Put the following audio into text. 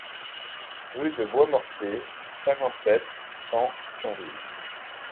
Rue de Boismortier, cinquante-sept, cent Thionville